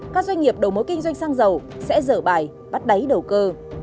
các doanh nghiệp đầu mối kinh doanh xăng dầu sẽ dở bài bắt đáy đầu cơ